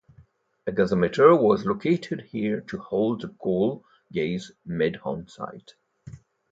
A gasometer was located here to hold the coal gas made on site.